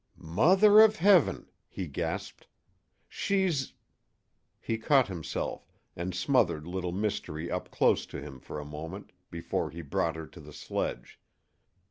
"Mother of Heaven!" he gasped, "she's " He caught himself, and smothered Little Mystery up close to him for a moment before he brought her to the sledge.